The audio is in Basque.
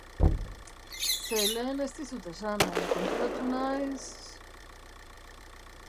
Ze lehen ez dizut esan baina konturatu naiz...